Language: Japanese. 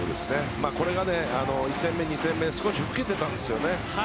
これが１戦目、２戦目少し受けていたんですね。